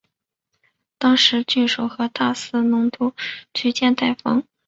当时郡守和大司农都举荐戴封。